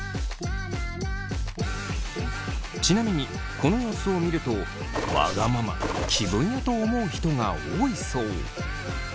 ちなみにこの様子を見るとわがまま気分屋と思う人が多いそう。